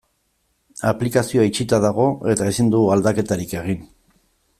Aplikazioa itxita dago eta ezin dugu aldaketarik egin.